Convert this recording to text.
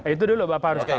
itu dulu bapak harus